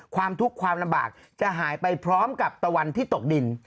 ความทุกข์ความลำบากจะหายไปพร้อมกับตะวันที่ตกดิน